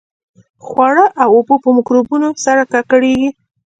خواړه او اوبه په میکروبونو سره ککړېږي.